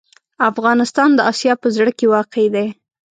افغانستان د اسیا په زړه کې واقع دی.